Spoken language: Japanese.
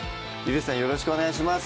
よろしくお願いします